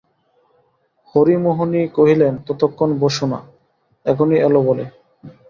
হরিমোহিনী কহিলেন, ততক্ষণ বোসো-না, এখনই এল বলে।